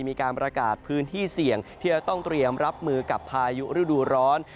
มีการประกาศพื้นที่เสี่ยงที่จะต้องเตรียมรับมือกับพายุฤดูร้อน